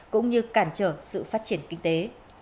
cũng như cản trở sự phát triển kinh tế